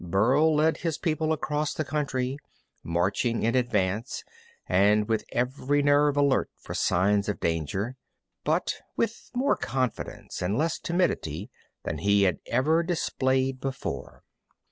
Burl led his people across the country, marching in advance and with every nerve alert for signs of danger, but with more confidence and less timidity than he had ever displayed before.